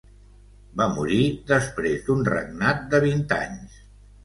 Va morir després d'un regnat de vint anys.